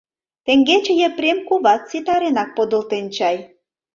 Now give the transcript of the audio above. Теҥгече Епрем куват ситаренак подылтен чай?